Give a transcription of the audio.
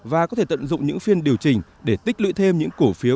và có thể tận dụng những phiên điều chỉnh để tích lưỡi thêm những cổ phiếu